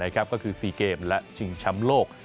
ก็คือ๔เกมและชิงช้ำโลก